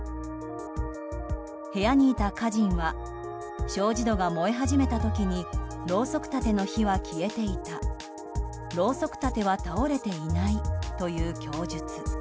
部屋にいた家人は障子戸が燃え始めた時にろうそく立ての火は消えていたろうそく立ては倒れていないという供述。